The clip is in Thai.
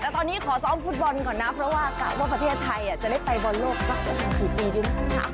แล้วตอนนี้ขอซ้อมฟุตบอลก่อนนะเพราะว่าว่าประเทศไทยอ่ะจะได้ไปบอลโลกสักสิบสี่ปีดินะ